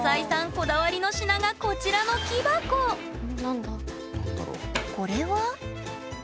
こだわりの品がこちらの木箱これは。